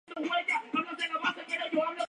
Su obra más conocida es "Sho!